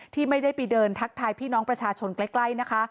ที่ไม่ได้ไปเดินทักทายพี่น้องประชาชนใกล้นะคะ